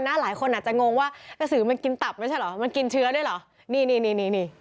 หลายคนอาจจะงงว่ากระสือมันกินตับไม่ใช่เหรอมันกินเชื้อด้วยเหรอนี่นี่นี่นี่